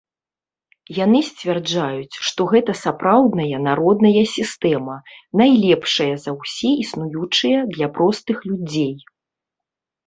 Яны сцвярджаюць, што гэта сапраўдная народная сістэма, найлепшая за ўсе існуючыя для простых людзей.